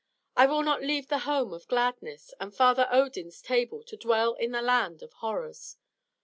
"I will not leave the home of gladness and Father Odin's table to dwell in the land of horrors!